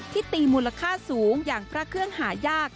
ตีมูลค่าสูงอย่างพระเครื่องหายาก